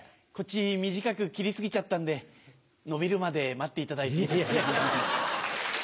こっち短く切り過ぎちゃったんで伸びるまで待っていただいていいですか？